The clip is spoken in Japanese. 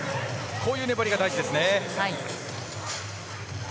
こういう粘りが大事ですね。